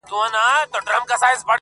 څه عجيب شاني مثال د چا د ياد.